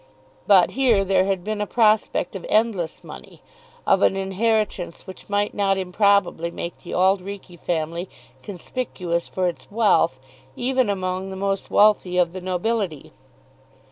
But here there had been a prospect of endless money, of an inheritance which might not improbably make the Auld Reekie family conspicuous for its wealth even among the most wealthy of the nobility.